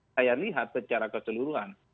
saya lihat secara keseluruhan